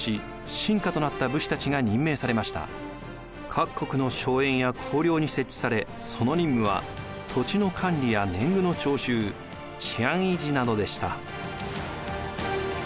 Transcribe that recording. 各国の荘園や公領に設置されその任務は土地の管理や年貢の徴収治安維持などでした。